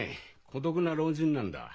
孤独な老人なんだ。